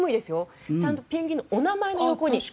ちゃんとペンギンのお名前の横に。